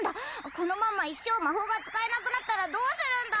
このまま一生魔法が使えなくなったらどうするんだ！